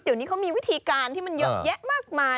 เดี๋ยวนี้เขามีวิธีการที่มันเยอะแยะมากมาย